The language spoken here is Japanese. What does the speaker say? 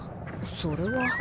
それは。